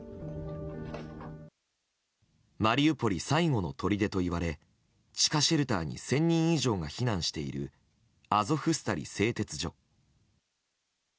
マリウポリ最後のとりでといわれ地下シェルターに１０００人以上が避難しているアゾフスタリ製鉄所。